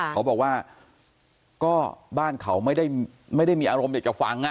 เขาบอกว่าก็บ้านเขาไม่ได้มีอารมณ์อยากจะฟัง